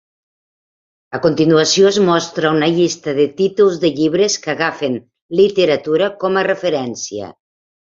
A continuació es mostra una llista de títols de llibres que agafen literatura com a referència.